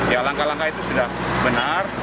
ya langkah langkah itu sudah benar